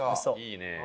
いいね。